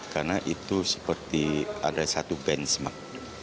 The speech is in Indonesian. karena itu seperti ada satu benchmark